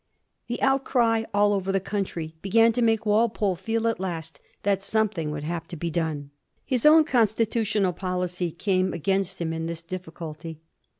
The outcry all over the country began to make Walpole feel at last that some thing would have to be done. His own constitutional poli cy came against him in this difficulty..